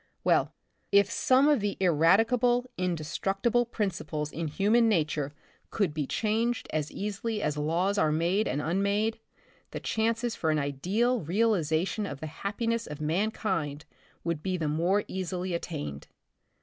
Well, if some of the ineradicable, indestructible prin ciples in human nature could be changed as easily as laws are made and unmade, the chances for an ideal realization of the happiness of mankind would be the more easily attained.